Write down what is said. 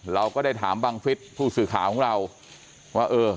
เราก็ได้ถามบังฟิศผู้สื่อข่าวของเราว่าเออ